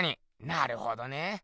なるほどねぇ。